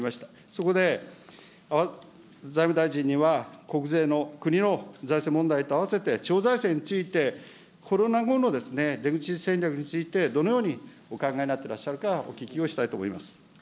そこで財務大臣には国税の国の財政問題とあわせて、地方財政についてコロナ後の出口戦略について、どのようにお考えになってらっしゃるか、お聞きをしたいと思います。